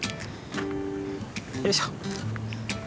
よいしょ！